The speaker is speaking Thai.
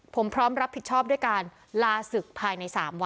ผมพร้อมรับผิดชอบด้วยการลาศึกภายใน๓วัน